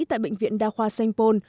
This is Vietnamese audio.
tại bệnh viện đa khoa sengpon